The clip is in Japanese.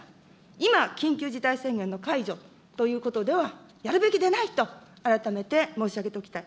今、緊急事態宣言の解除ということでは、やるべきでないと、改めて申し上げておきたい。